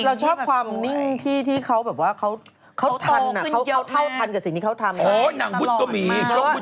เราชอบความนิ่งที่เขาแบบว่าเขาทันเขาเท่าทันกับสิ่งที่เขาทำ